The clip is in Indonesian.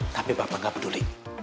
tapi papa gak peduli